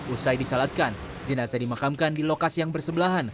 usai disalatkan jenazah dimakamkan di lokasi yang bersebelahan